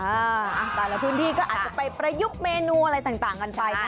แต่ละพื้นที่ก็อาจจะไปประยุกต์เมนูอะไรต่างกันไปนะ